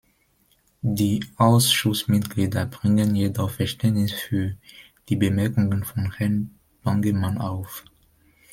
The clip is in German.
Die Ausschussmitglieder bringen jedoch Verständnis für die Bemerkungen von Herrn Bangemann auf.